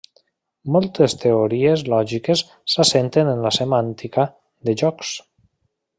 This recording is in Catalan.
Moltes teories lògiques s'assenten en la semàntica de jocs.